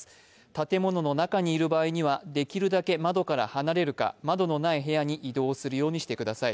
建物の中にいる場合にはできるだけ窓から離れるか窓のない部屋に移動するようにしてください。